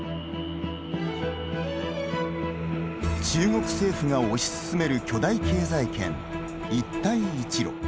中国政府が推し進める巨大経済圏、一帯一路。